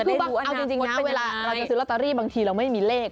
เอาจริงนะเวลาเราจะซื้อรัตรีบางทีเราไม่มีเลข